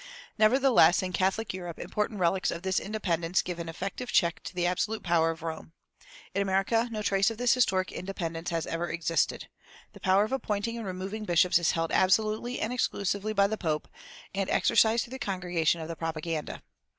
Nevertheless in Catholic Europe important relics of this independence give an effective check to the absolute power of Rome. In America no trace of this historic independence has ever existed. The power of appointing and removing bishops is held absolutely and exclusively by the pope and exercised through the Congregation of the Propaganda.